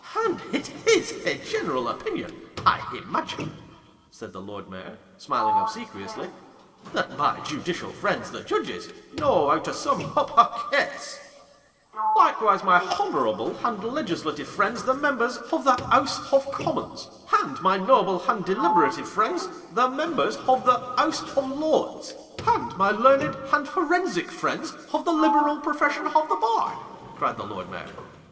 And it is a general opinion, I imagine," said the Lord Mayor, smiling obsequiously, "that my judicial friends the judges, know how to sum up a case 1 " Likewise my honourable and legislative friends the Members of the House of Com mons— and my noble and deliberative friends, the Members of the House of Lords — and my learned and forensic friends of the libei'al profession of the Bar !" cried the Lord Mayor.